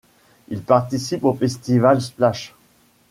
Il participe au festival Splash!